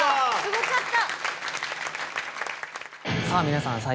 さぁ皆さん